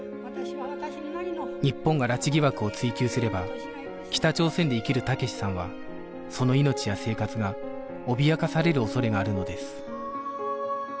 日本が拉致疑惑を追及すれば北朝鮮で生きる武志さんはその命や生活が脅かされる恐れがあるのです